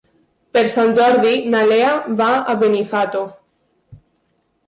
Per Sant Jordi na Lea va a Benifato.